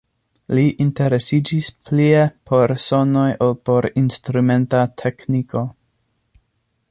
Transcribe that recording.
Li interesiĝis plie por sonoj ol por instrumenta tekniko.